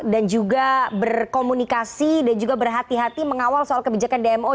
dan juga berkomunikasi dan juga berhati hati mengawal soal kebijakan dmo